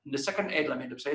the second ey dalam hidup saya